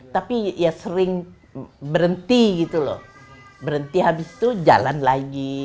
tapi ya sering berhenti gitu loh berhenti habis itu jalan lagi